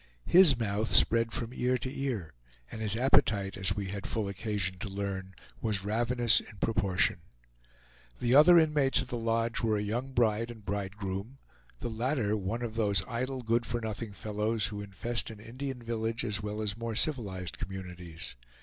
His mouth spread from ear to ear, and his appetite, as we had full occasion to learn, was ravenous in proportion. The other inmates of the lodge were a young bride and bridegroom; the latter one of those idle, good for nothing fellows who infest an Indian village as well as more civilized communities.